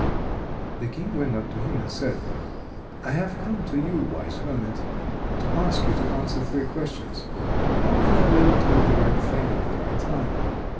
The King went up to him and said: "I have come to you, wise hermit, to ask you to answer three questions: How can I learn to do the right thing at the right time?